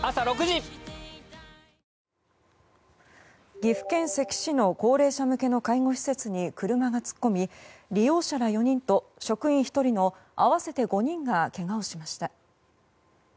岐阜県関市の高齢者向けの介護施設に車が突っ込み、利用者ら４人と職員１人の、合わせて５人がけがをしました。